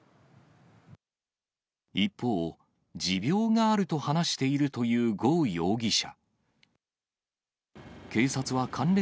一方、持病があると話しているという呉容疑者。